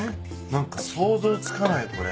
何か想像つかないこれ。